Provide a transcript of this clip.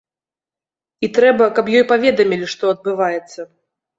І трэба, каб ёй паведамілі, што адбываецца.